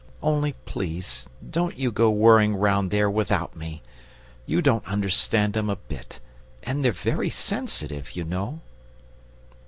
Only, please, don't you go worrying round there without me. You don't understand 'em a bit, and they're very sensitive, you know!"